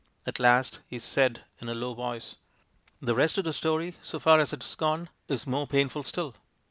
At last he said in a low voice; "The rest of the story — so far as it has gone — is more painful still.